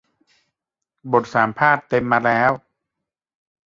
บทสัมภาษณ์เต็มมาแล้ว